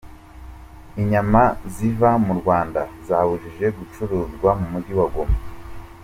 Inyama ziva mu Rwanda zabujijwe gucuruzwa mu mujyi wa Goma